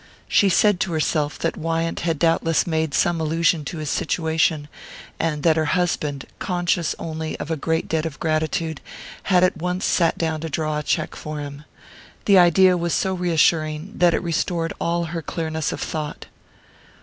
She said to herself that Wyant had doubtless made some allusion to his situation, and that her husband, conscious only of a great debt of gratitude, had at once sat down to draw a cheque for him. The idea was so reassuring that it restored all her clearness of thought.